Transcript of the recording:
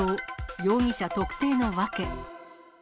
容疑者特定の訳。